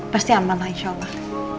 pasti aman lah insya allah